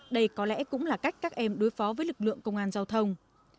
đây có lẽ cũng là cách các em đối phó với lực lượng công an giao thông